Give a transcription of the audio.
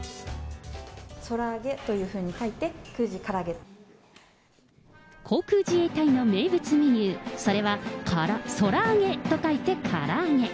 空上げというふうに書いて、航空自衛隊の名物メニュー、それは、空上げと書いてからあげ。